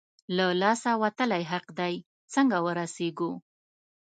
له لاسه وتلی حق دی، څنګه ورسېږو؟